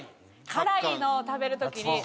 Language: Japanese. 辛いのを食べる時に。